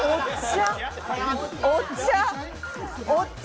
お茶？